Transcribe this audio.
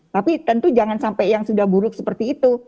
tapi tentu jangan sampai yang sudah buruk seperti itu